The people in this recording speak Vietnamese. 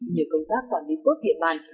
nhờ công tác quản lý tốt địa bàn